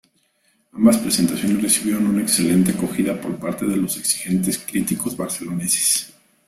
Ambas presentaciones recibieron una excelente acogida por parte de los exigentes críticos barceloneses.